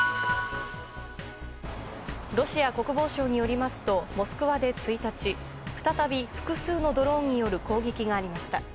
ロシア国防省によりますとモスクワで１日再び複数のドローンによる攻撃がありました。